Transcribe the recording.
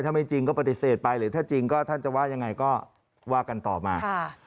ถ้าไม่จริงก็ปฏิเสธไปหรือถ้าจริงก็ท่านจะว่ายังไงก็ว่ากันต่อมา